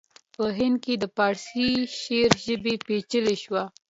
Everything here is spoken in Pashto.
په هند کې د پارسي شعر ژبه پیچلې شوه